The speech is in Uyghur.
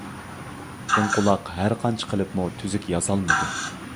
دىڭ قۇلاق ھەرقانچە قىلىپمۇ تۈزۈك يازالمىدى.